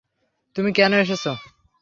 তুমি কেন এসেছো?